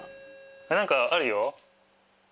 何かあるよ！